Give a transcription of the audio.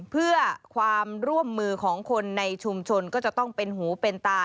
เพื่อความร่วมมือของคนในชุมชนก็จะต้องเป็นหูเป็นตา